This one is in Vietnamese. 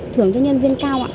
thưởng cho nhân viên cao